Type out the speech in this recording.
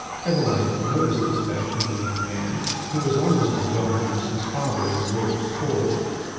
Eveline had noticed this fashionable young man, who was almost as well known as his father in the world of sport.